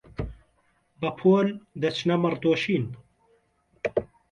بەپۆل دەچنە مەڕدۆشین